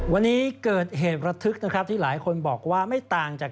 วันนี้เกิดเหตุระทึกนะครับที่หลายคนบอกว่าไม่ต่างจาก